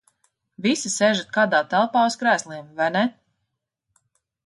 Visi sēžat kādā telpā uz krēsliem, vai ne?